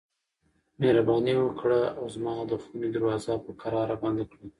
مهرباني وکړه او زما د خونې دروازه په کراره بنده کړه.